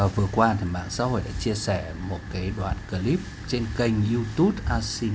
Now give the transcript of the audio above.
vừa qua mạng xã hội đã chia sẻ một đoạn clip trên kênh youtube asin